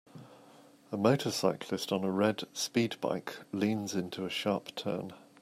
A motorcyclist on a red speed bike leans into a sharp turn.